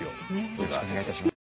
よろしくお願いします。